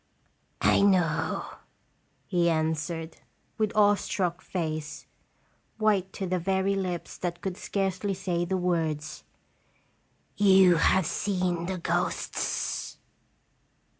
"I know" he answered, with awe struck face, white to the very lips that could scarcely say the words, "you have seen the ghosts!"